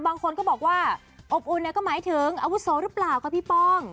บางคนก็บอกว่าอบอุ่นก็หมายถึงอาวุโสหรือเปล่าคะพี่ป้อง